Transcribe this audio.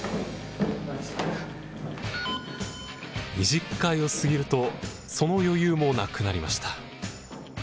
２０階を過ぎるとその余裕もなくなりました。